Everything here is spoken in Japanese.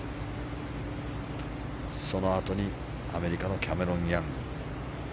そのあとにアメリカのキャメロン・ヤング。